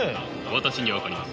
私には分かります。